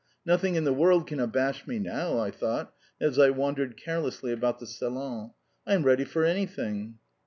"Nothing in the world can abash me now," I thought as I wandered carelessly about the salon. "I am ready for anything."